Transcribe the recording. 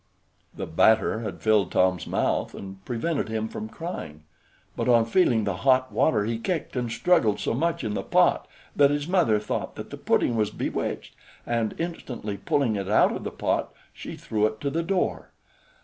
The batter had filled Tom's mouth, and prevented him from crying; but, on feeling the hot water, he kicked and struggled so much in the pot, that his mother thought that the pudding was bewitched, and, instantly pulling it out of the pot, she threw it to the door.